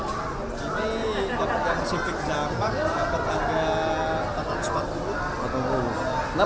ini yang sifik zaman dapat harga rp empat ratus empat puluh